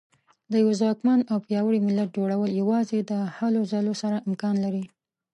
د یوه ځواکمن او پیاوړي ملت جوړول یوازې د هلو ځلو سره امکان لري.